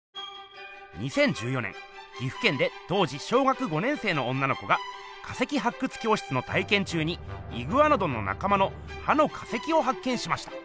２０１４年岐阜県で当時小学５年生の女の子が化石発掘教室の体験中にイグアノドンのなか間の歯の化石を発見しました。